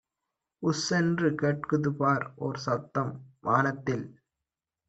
உஸ்என்று கேட்குதுபார் ஓர்சத்தம் வானத்தில்!